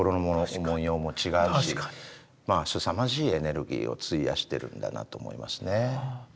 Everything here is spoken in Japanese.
まあすさまじいエネルギーを費やしてるんだなと思いますね。